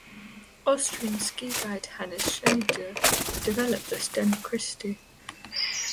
Austrian ski guide Hannes Schneider developed the stem christie.